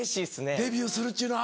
デビューするっちゅうのは。